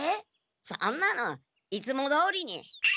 そんなのいつもどおりに。